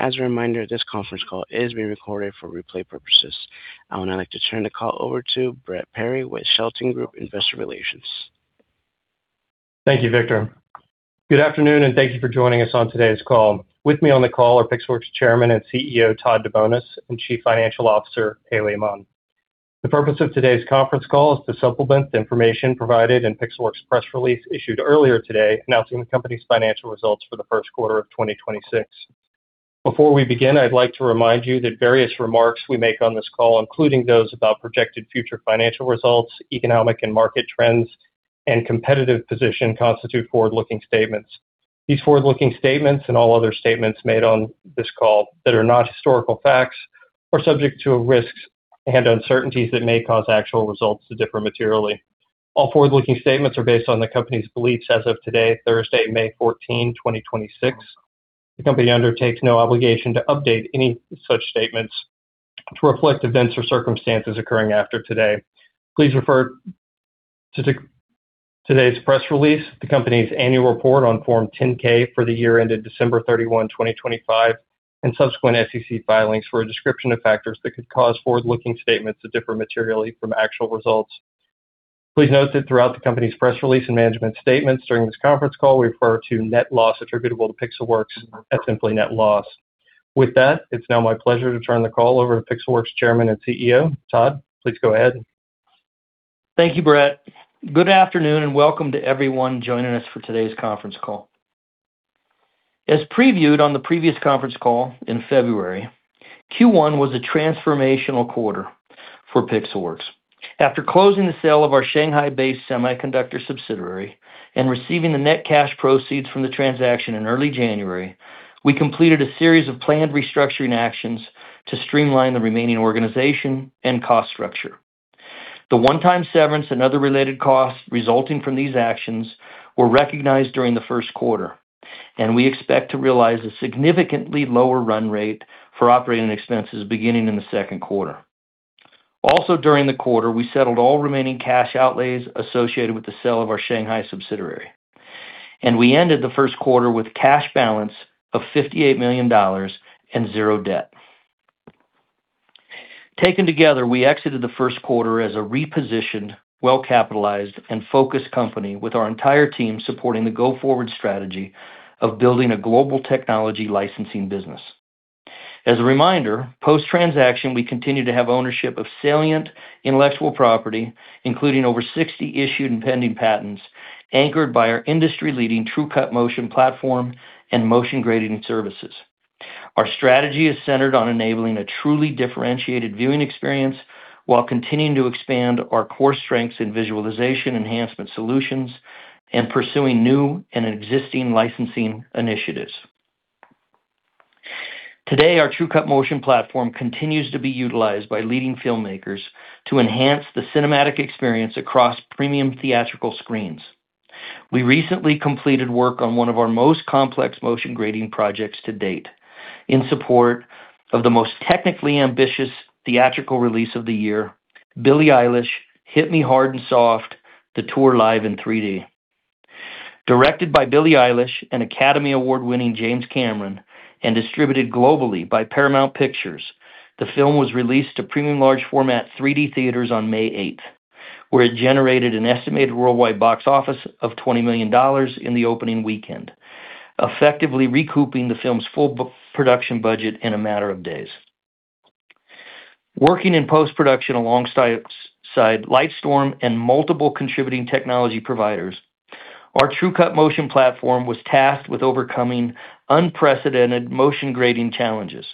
As a reminder, this conference call is being recorded for replay purposes. I would now like to turn the call over to Brett Perry with Shelton Group Investor Relations. Thank you, Operator. Good afternoon, and thank you for joining us on today's call. With me on the call are Pixelworks Chairman and CEO, Todd DeBonis, and Chief Financial Officer, Haley Aman. The purpose of today's conference call is to supplement the information provided in Pixelworks' press release issued earlier today announcing the company's financial results for the first quarter of 2026. Before we begin, I'd like to remind you that various remarks we make on this call, including those about projected future financial results, economic and market trends, and competitive position, constitute forward-looking statements. These forward-looking statements and all other statements made on this call that are not historical facts are subject to risks and uncertainties that may cause actual results to differ materially. All forward-looking statements are based on the company's beliefs as of today, Thursday, May 14, 2026. The company undertakes no obligation to update any such statements to reflect events or circumstances occurring after today. Please refer to today's press release, the company's annual report on Form 10-K for the year ended December 31, 2025, and subsequent SEC filings for a description of factors that could cause forward-looking statements to differ materially from actual results. Please note that throughout the company's press release and management statements during this conference call, we refer to net loss attributable to Pixelworks as simply net loss. With that, it's now my pleasure to turn the call over to Pixelworks Chairman and CEO. Todd, please go ahead. Thank you, Brett. Good afternoon, welcome to everyone joining us for today's conference call. As previewed on the previous conference call in February, Q1 was a transformational quarter for Pixelworks. After closing the sale of our Shanghai-based semiconductor subsidiary and receiving the net cash proceeds from the transaction in early January, we completed a series of planned restructuring actions to streamline the remaining organization and cost structure. The one-time severance and other related costs resulting from these actions were recognized during the first quarter, we expect to realize a significantly lower run rate for operating expenses beginning in the second quarter. Also during the quarter, we settled all remaining cash outlays associated with the sale of our Shanghai subsidiary, we ended the first quarter with cash balance of $58 million and zero debt. Taken together, we exited the first quarter as a repositioned, well-capitalized, and focused company with our entire team supporting the go-forward strategy of building a global technology licensing business. As a reminder, post-transaction, we continue to have ownership of salient intellectual property, including over 60 issued and pending patents, anchored by our industry-leading TrueCut Motion platform and motion grading services. Our strategy is centered on enabling a truly differentiated viewing experience while continuing to expand our core strengths in visualization enhancement solutions and pursuing new and existing licensing initiatives. Today, our TrueCut Motion platform continues to be utilized by leading filmmakers to enhance the cinematic experience across premium theatrical screens. We recently completed work on one of our most complex motion grading projects to date in support of the most technically ambitious theatrical release of the year, Billie Eilish: Hit Me Hard and Soft – The Tour Live in 3D. Directed by Billie Eilish and Academy Award-winning James Cameron and distributed globally by Paramount Pictures, the film was released to premium large format 3D theaters on May 8th, where it generated an estimated worldwide box office of $20 million in the opening weekend, effectively recouping the film's full production budget in a matter of days. Working in post-production alongside Lightstorm and multiple contributing technology providers, our TrueCut Motion platform was tasked with overcoming unprecedented motion grading challenges,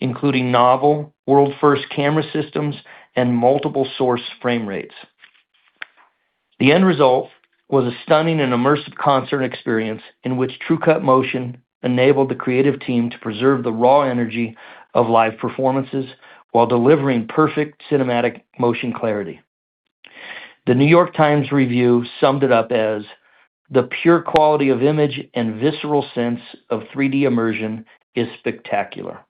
including novel world-first camera systems and multiple source frame rates. The end result was a stunning and immersive concert experience in which TrueCut Motion enabled the creative team to preserve the raw energy of live performances while delivering perfect cinematic motion clarity. The New York Times review summed it up as, "The pure quality of image and visceral sense of 3D immersion is spectacular."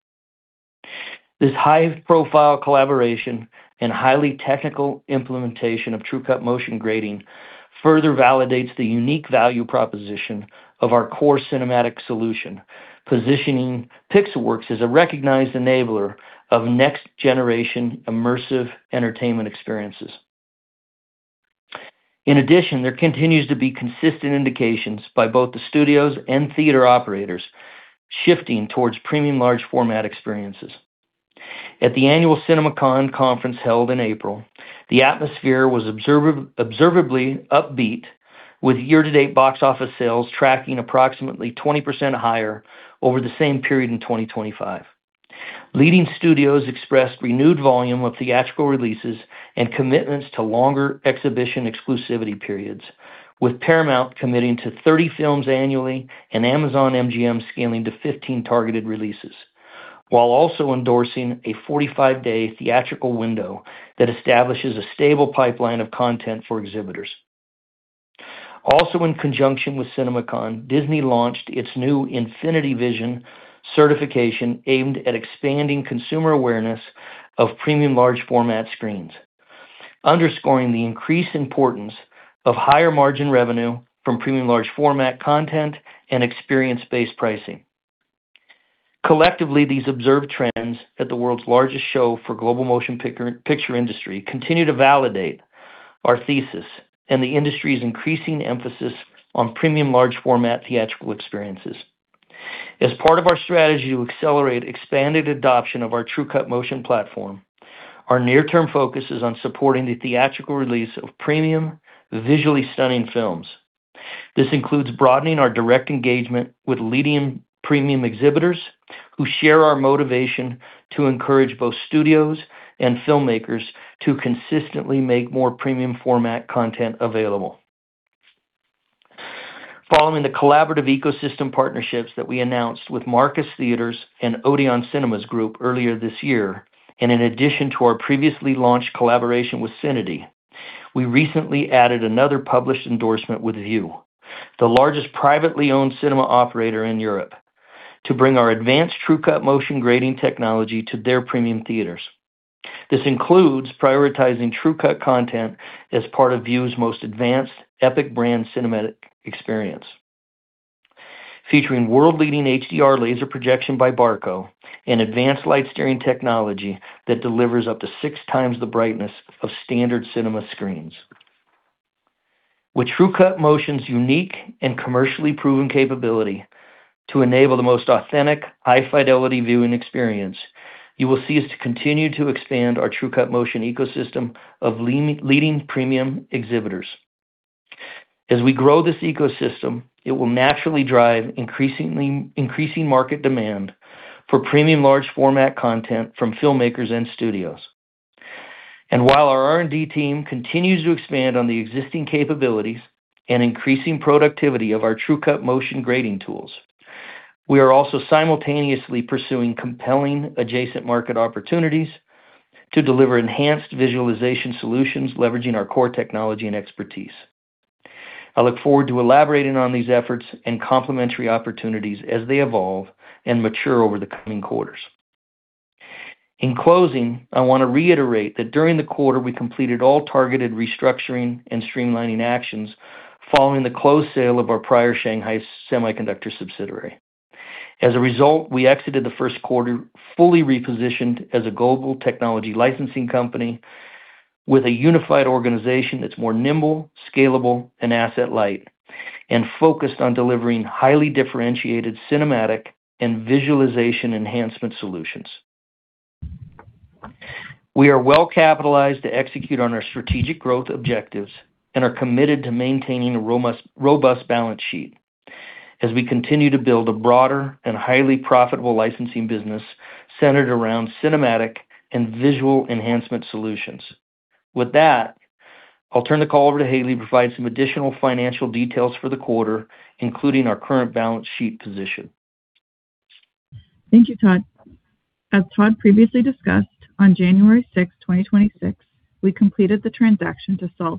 This high-profile collaboration and highly technical implementation of TrueCut Motion grading further validates the unique value proposition of our core cinematic solution, positioning Pixelworks as a recognized enabler of next-generation immersive entertainment experiences. In addition, there continues to be consistent indications by both the studios and theater operators shifting towards premium large format experiences. At the annual CinemaCon conference held in April, the atmosphere was observably upbeat with year-to-date box office sales tracking approximately 20% higher over the same period in 2025. Leading studios expressed renewed volume of theatrical releases and commitments to longer exhibition exclusivity periods, with Paramount committing to 30 films annually and Amazon MGM scaling to 15 targeted releases, while also endorsing a 45-day theatrical window that establishes a stable pipeline of content for exhibitors. Also in conjunction with CinemaCon, Disney launched its new Infinity Vision certification aimed at expanding consumer awareness of premium large format screens, underscoring the increased importance of higher margin revenue from premium large format content and experience-based pricing. Collectively, these observed trends at the world's largest show for global motion picture industry continue to validate our thesis and the industry's increasing emphasis on premium large format theatrical experiences. As part of our strategy to accelerate expanded adoption of our TrueCut Motion platform, our near-term focus is on supporting the theatrical release of premium, visually stunning films. This includes broadening our direct engagement with leading premium exhibitors who share our motivation to encourage both studios and filmmakers to consistently make more premium format content available. Following the collaborative ecosystem partnerships that we announced with Marcus Theatres and Odeon Cinemas Group earlier this year, and in addition to our previously launched collaboration with CINITY, we recently added another published endorsement with Vue, the largest privately owned cinema operator in Europe, to bring our advanced TrueCut Motion grading technology to their premium theaters. This includes prioritizing TrueCut content as part of Vue's most advanced EPIC brand cinematic experience. Featuring world-leading HDR laser projection by Barco and advanced light steering technology that delivers up to 6 times the brightness of standard cinema screens. With TrueCut Motion's unique and commercially proven capability to enable the most authentic high-fidelity viewing experience, you will see us continue to expand our TrueCut Motion ecosystem of leading premium exhibitors. As we grow this ecosystem, it will naturally drive increasing market demand for premium large format content from filmmakers and studios. While our R&D team continues to expand on the existing capabilities and increasing productivity of our TrueCut Motion grading tools, we are also simultaneously pursuing compelling adjacent market opportunities to deliver enhanced visualization solutions leveraging our core technology and expertise. I look forward to elaborating on these efforts and complementary opportunities as they evolve and mature over the coming quarters. In closing, I want to reiterate that during the quarter, we completed all targeted restructuring and streamlining actions following the closed sale of our prior Shanghai Semiconductor subsidiary. As a result, we exited the first quarter fully repositioned as a global technology licensing company with a unified organization that's more nimble, scalable, and asset-light, and focused on delivering highly differentiated cinematic and visualization enhancement solutions. We are well-capitalized to execute on our strategic growth objectives and are committed to maintaining a robust balance sheet as we continue to build a broader and highly profitable licensing business centered around cinematic and visual enhancement solutions. With that, I'll turn the call over to Haley to provide some additional financial details for the quarter, including our current balance sheet position. Thank you, Todd. As Todd previously discussed, on January 6, 2026, we completed the transaction to sell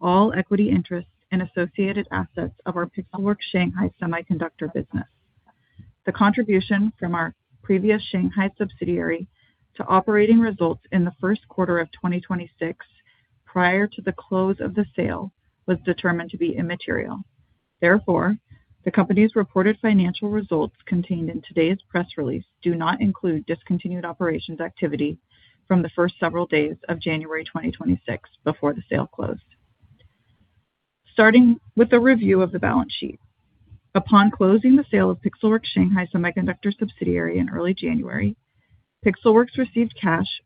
all equity interests and associated assets of our Pixelworks Shanghai Semiconductor business. The contribution from our previous Shanghai subsidiary to operating results in the first quarter of 2026 prior to the close of the sale was determined to be immaterial. Therefore, the company's reported financial results contained in today's press release do not include discontinued operations activity from the first several days of January 2026 before the sale closed. Starting with a review of the balance sheet. Upon closing the sale of Pixelworks Shanghai Semiconductor subsidiary in early January, Pixelworks received cash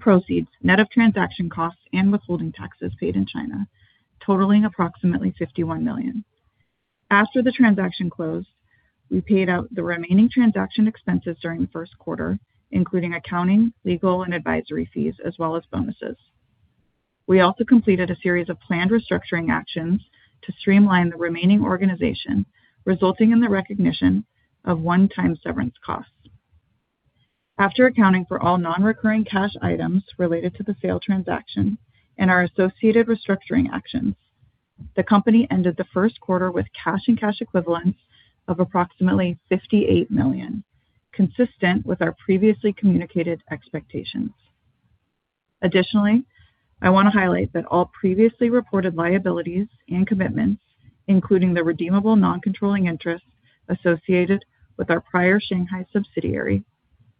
proceeds net of transaction costs and withholding taxes paid in China, totaling approximately $51 million. After the transaction closed, we paid out the remaining transaction expenses during the first quarter, including accounting, legal, and advisory fees, as well as bonuses. We also completed a series of planned restructuring actions to streamline the remaining organization, resulting in the recognition of one-time severance costs. After accounting for all non-recurring cash items related to the sale transaction and our associated restructuring actions, the company ended the first quarter with cash and cash equivalents of approximately $58 million, consistent with our previously communicated expectations. Additionally, I want to highlight that all previously reported liabilities and commitments, including the redeemable non-controlling interests associated with our prior Shanghai subsidiary,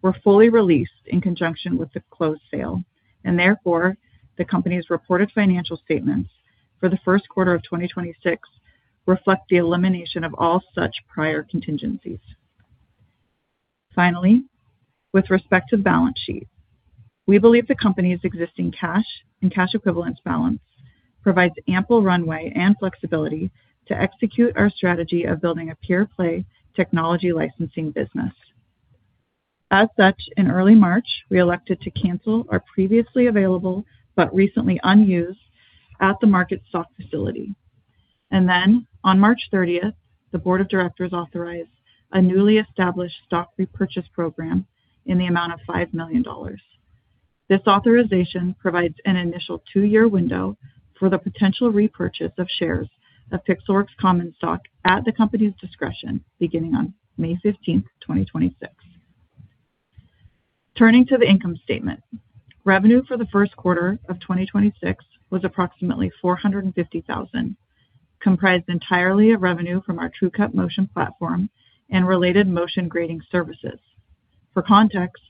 were fully released in conjunction with the closed sale, and therefore, the company's reported financial statements for the first quarter of 2026 reflect the elimination of all such prior contingencies. Finally, with respect to the balance sheet, we believe the company's existing cash and cash equivalents balance provides ample runway and flexibility to execute our strategy of building a pure-play technology licensing business. In early March, we elected to cancel our previously available but recently unused at-the-market stock facility. On March 30th, the Board of Directors authorized a newly established stock repurchase program in the amount of $5 million. This authorization provides an initial two-year window for the potential repurchase of shares of Pixelworks common stock at the company's discretion beginning on May 15th, 2026. Turning to the income statement. Revenue for the first quarter of 2026 was approximately $450,000, comprised entirely of revenue from our TrueCut Motion platform and related motion grading services. For context,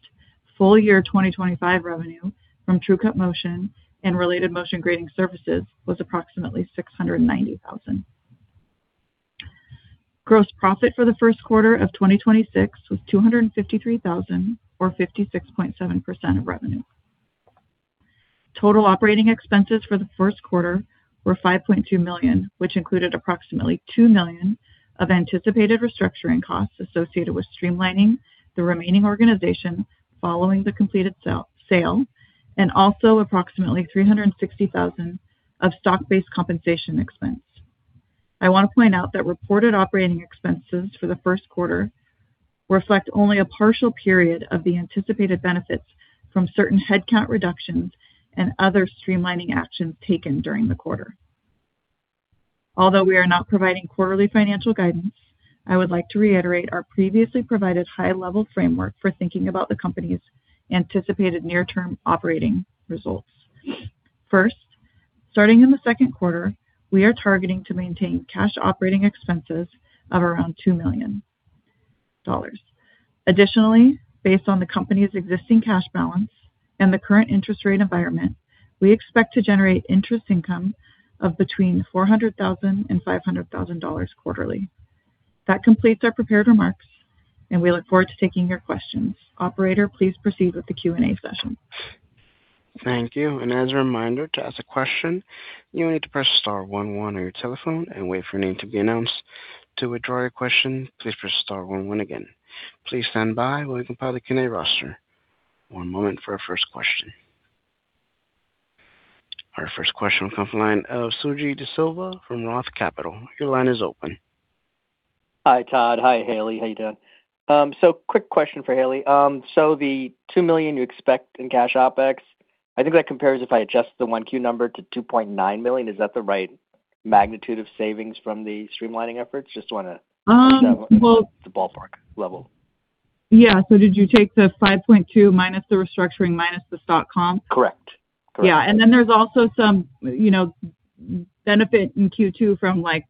full year 2025 revenue from TrueCut Motion and related motion grading services was approximately $690,000. Gross profit for the first quarter of 2026 was $253,000 or 56.7% of revenue. Total operating expenses for the first quarter were $5.2 million, which included approximately $2 million of anticipated restructuring costs associated with streamlining the remaining organization following the completed sale, and also approximately $360,000 of stock-based compensation expense. I want to point out that reported operating expenses for the first quarter reflect only a partial period of the anticipated benefits from certain headcount reductions and other streamlining actions taken during the quarter. Although we are not providing quarterly financial guidance, I would like to reiterate our previously provided high-level framework for thinking about the company's anticipated near-term operating results. First, starting in the second quarter, we are targeting to maintain cash operating expenses of around $2 million. Additionally, based on the company's existing cash balance and the current interest rate environment, we expect to generate interest income of between $400,000 and $500,000 quarterly. That completes our prepared remarks, and we look forward to taking your questions. Operator, please proceed with the Q&A session. Thank you. As a reminder, to ask a question, you will need to press star one one on your telephone and wait for your name to be announced. To withdraw your question, please press star one one again. Please stand by while we compile the Q&A roster. One moment for our first question. Our first question will come from the line of Suji DeSilva from Roth Capital. Your line is open. Hi, Todd. Hi, Haley. How you doing? Quick question for Haley. The $2 million you expect in cash OpEx, I think that compares if I adjust the 1Q number to $2.9 million. Is that the right magnitude of savings from the streamlining efforts? Um, well- I just want to know the ballpark level. Yeah. Did you take the $5.2 minus the restructuring minus the stock comp? Correct. Yeah. Then there's also some, you know, benefit in Q2 from like,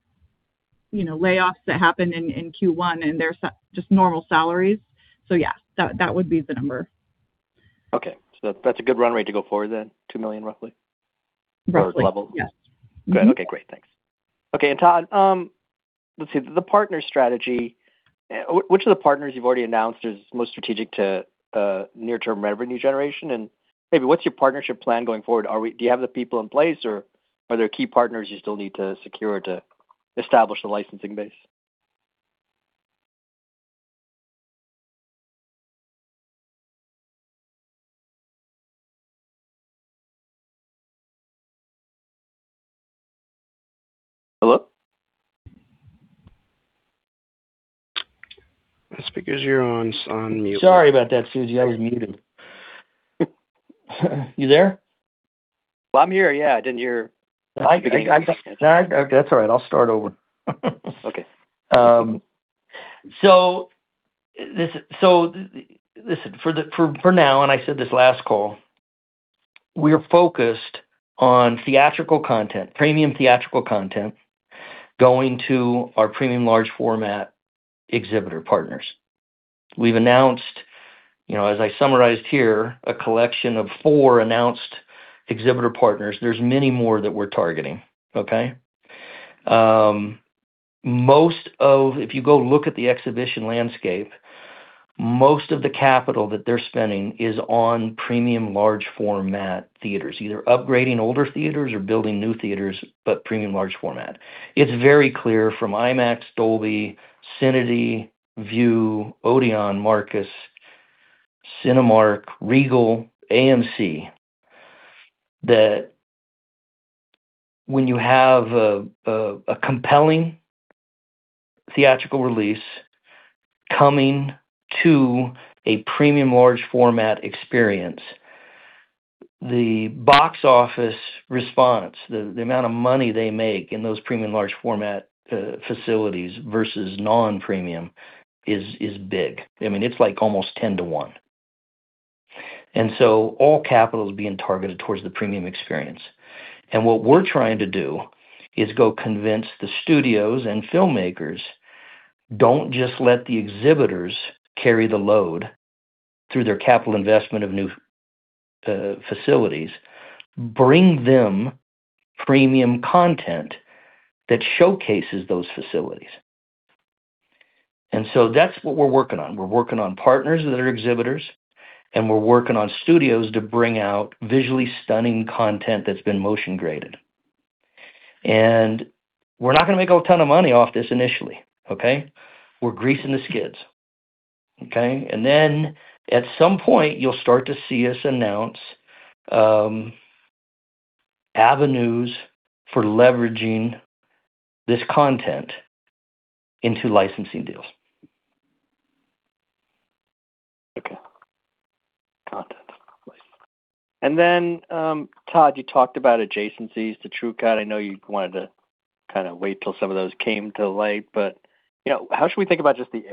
you know, layoffs that happened in Q1, and there's just normal salaries. Yeah, that would be the number. Okay. That's a good run rate to go forward then, $2 million roughly? Roughly. Level? Yeah. Mm-hmm. Good. Okay, great. Thanks. Okay, Todd, let's see. The partner strategy, which of the partners you've already announced is most strategic to near-term revenue generation? Maybe what's your partnership plan going forward? Do you have the people in place or are there key partners you still need to secure to establish the licensing base? Hello? Speaker zero is on mute. Sorry about that, Suji. I was muted. You there? I'm here, yeah. I didn't hear. That's all right. I'll start over. Okay. I said this last call, we're focused on theatrical content, premium theatrical content, going to our premium large format exhibitor partners. We've announced, you know, as I summarized here, a collection of four announced exhibitor partners. There's many more that we're targeting, okay. If you go look at the exhibition landscape, most of the capital that they're spending is on premium large format theaters, either upgrading older theaters or building new theaters, but premium large format. It's very clear from IMAX, Dolby, CINITY, Vue, Odeon, Marcus, Cinemark, Regal, AMC, that when you have a compelling theatrical release coming to a premium large format experience, the box office response, the amount of money they make in those premium large format facilities versus non-premium is big. I mean, it's like almost 10 to 1. All capital is being targeted towards the premium experience. What we're trying to do is go convince the studios and filmmakers, don't just let the exhibitors carry the load through their capital investment of new facilities. Bring them premium content that showcases those facilities. That's what we're working on. We're working on partners that are exhibitors, and we're working on studios to bring out visually stunning content that's been motion graded. We're not gonna make a ton of money off this initially, okay? We're greasing the skids, okay. At some point, you'll start to see us announce avenues for leveraging this content into licensing deals. Okay. Got that. Todd, you talked about adjacencies to TrueCut. I know you wanted to kind of wait till some of those came to light, but, you know, how should we think about just the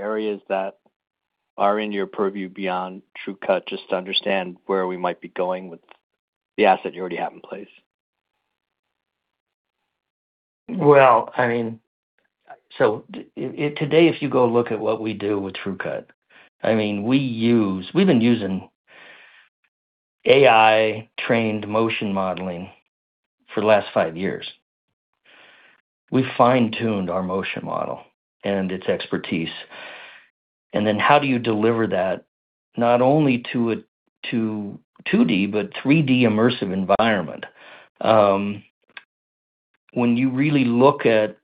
areas that are in your purview beyond TrueCut, just to understand where we might be going with the asset you already have in place? Well, I mean, today, if you go look at what we do with TrueCut, I mean, we've been using AI-trained motion modeling for the last five years. We fine-tuned our motion model and its expertise. How do you deliver that not only to a, to 2D, but 3D immersive environment? When you really look at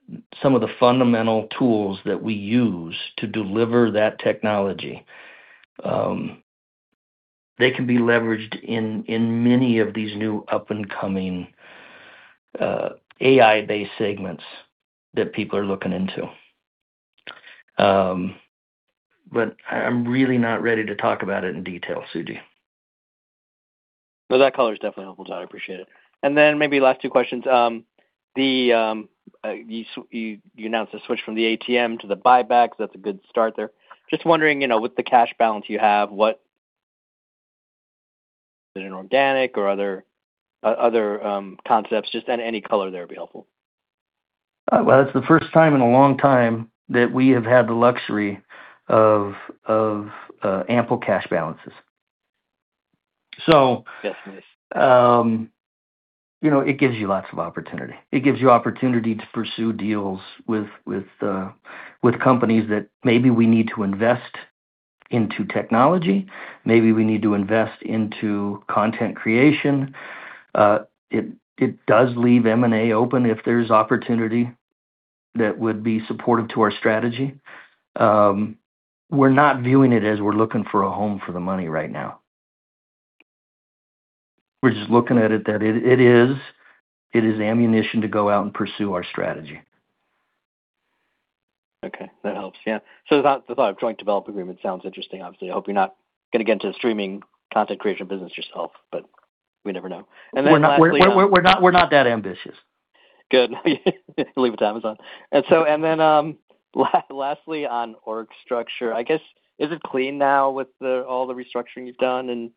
some of the fundamental tools that we use to deliver that technology, they can be leveraged in many of these new up-and-coming AI-based segments that people are looking into. I'm really not ready to talk about it in detail, Suji. No, that color is definitely helpful, Todd DeBonis. I appreciate it. Then maybe last two questions. The, you announced a switch from the ATM to the buyback, so that's a good start there. Just wondering, you know, with the cash balance you have, what is it an organic or other concepts? Just any color there would be helpful. Well, it's the first time in a long time that we have had the luxury of ample cash balances. Definitely. You know, it gives you lots of opportunity. It gives you opportunity to pursue deals with companies that maybe we need to invest into technology. Maybe we need to invest into content creation. It does leave M&A open if there's opportunity that would be supportive to our strategy. We're not viewing it as we're looking for a home for the money right now. We're just looking at it that it is ammunition to go out and pursue our strategy. Okay. That helps. Yeah. The thought of joint development agreement sounds interesting, obviously. I hope you're not gonna get into the streaming content creation business yourself, but we never know. We're not that ambitious. Good. Leave it to Amazon. Lastly, on org structure, I guess, is it clean now with all the restructuring you've done and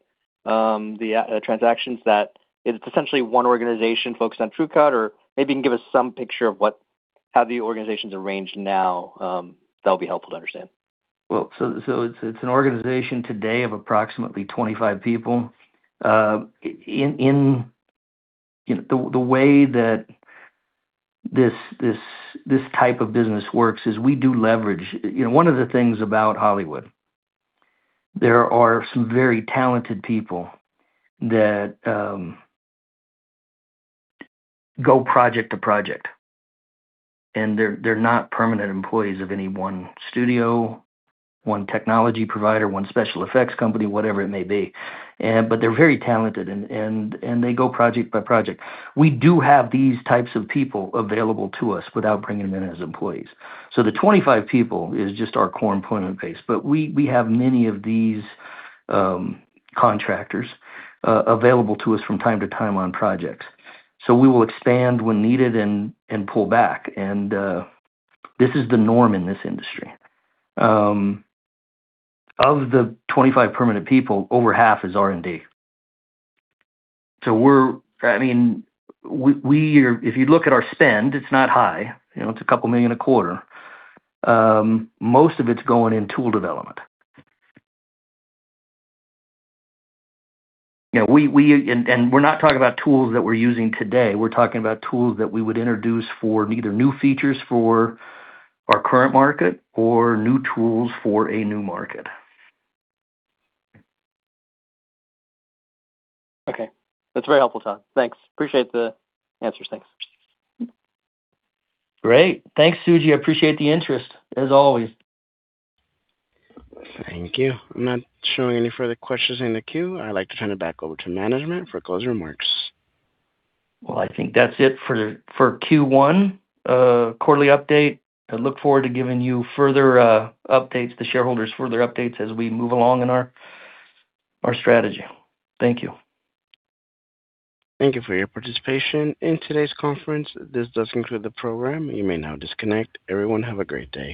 the transactions that it's essentially one organization focused on TrueCut? Or maybe you can give us some picture of what, how the organization's arranged now. That'll be helpful to understand. Well, it's an organization today of approximately 25 people. In, you know, the way that this type of business works is we do leverage, you know, one of the things about Hollywood, there are some very talented people that go project to project, and they're not permanent employees of any one studio, one technology provider, one special effects company, whatever it may be. They're very talented and they go project by project. We do have these types of people available to us without bringing them in as employees. The 25 people is just our core employment base, but we have many of these contractors available to us from time to time on projects. We will expand when needed and pull back. This is the norm in this industry. Of the 25 permanent people, over half is R&D. We are if you look at our spend, it's not high. It's couple million a quarter. Most of it's going in tool development. We're not talking about tools that we're using today. We're talking about tools that we would introduce for either new features for our current market or new tools for a new market. Okay. That's very helpful, Todd. Thanks. Appreciate the answers. Thanks. Great. Thanks, Suji. I appreciate the interest, as always. Thank you. I'm not showing any further questions in the queue. I'd like to turn it back over to management for closing remarks. Well, I think that's it for Q1 quarterly update. I look forward to giving you further updates, the shareholders further updates as we move along in our strategy. Thank you. Thank you for your participation in today's conference. This does conclude the program. You may now disconnect. Everyone, have a great day.